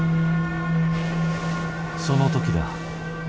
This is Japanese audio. その時だ。